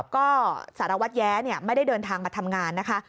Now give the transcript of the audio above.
ก็สารวัตรแย้ไม่ได้เดินทางมาทำงานนะคะ